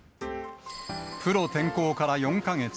プロ転向から４か月。